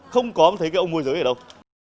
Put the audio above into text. không có thấy cái ông môi giới ở đâu